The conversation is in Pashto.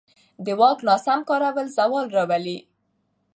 د واک ناسم کارول زوال راولي